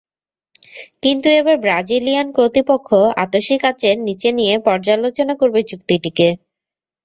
কিন্তু এবার ব্রাজিলিয়ান কর্তৃপক্ষ আতসী কাচের নিচে নিয়ে পর্যালোচনা করবে চুক্তিটিকে।